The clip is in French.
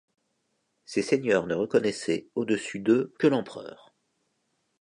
Ces seigneurs ne reconnaissaient au-dessus d'eux que l'empereur.